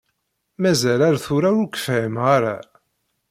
Mazal ar tura ur k-fhimeɣ ara.